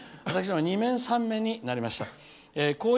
２面、３面になりました。